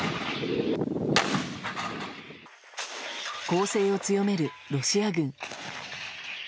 攻勢を強めるロシア軍。